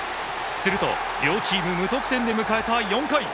すると両チーム無得点で迎えた４回。